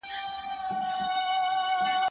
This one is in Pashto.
د پردیو په کوڅه کي ارمانونه ښخومه